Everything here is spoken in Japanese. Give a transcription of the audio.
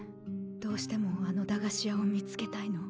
どうしてもあの駄菓子屋を見つけたいの。